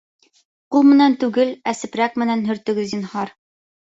Ҡул менән түгел, ә сепрәк менән һөртөгөҙ, зинһар